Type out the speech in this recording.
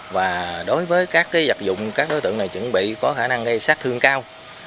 và đối với các dạc dụng các đối tượng này chuẩn bị có khả năng gây sát thương cao